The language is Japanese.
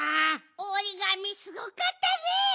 おりがみすごかったね！